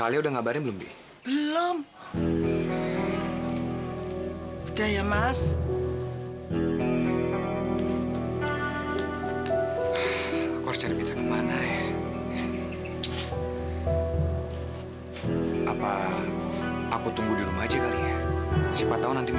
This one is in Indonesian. alia tante gak bisa menyelesaikan ini sendiri